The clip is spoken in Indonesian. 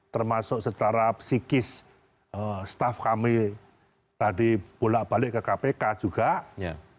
termasuk secara psikis staff kami tadi bolak balik ke kpk juga